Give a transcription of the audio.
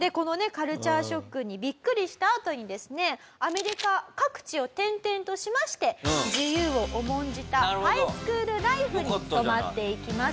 カルチャーショックにビックリしたあとにですねアメリカ各地を転々としまして自由を重んじたハイスクールライフに染まっていきます。